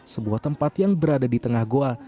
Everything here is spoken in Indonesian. sebuah tempat yang berada di tengah goa